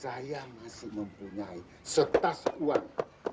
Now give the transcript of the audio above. saya masih mempunyai setas uang